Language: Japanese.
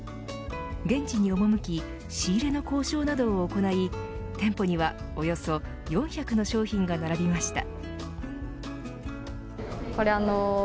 現地に赴き仕入れの交渉などを行い店舗には、およそ４００の商品が並びました。